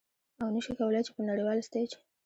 او نشي کولې چې په نړیوال ستیج